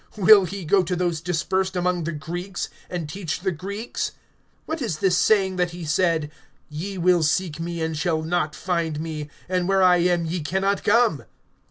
Will he go to those dispersed among the Greeks, and teach the Greeks? (36)What is this saying that he said: Ye will seek me, and shall not find me; and where I am, ye can not come?